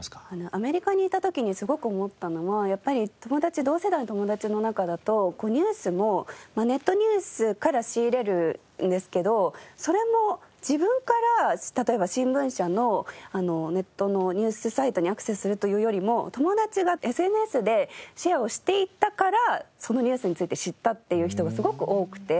アメリカにいた時にすごく思ったのはやっぱり同世代の友達の中だとニュースもネットニュースから仕入れるんですけどそれも自分から例えば新聞社のネットのニュースサイトにアクセスするというよりも友達がＳＮＳでシェアをしていたからそのニュースについて知ったっていう人がすごく多くて。